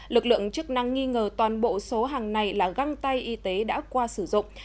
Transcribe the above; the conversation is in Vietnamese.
lực lượng chức năng nghi ngờ toàn bộ số hàng này là găng tay y tế đã qua sử dụng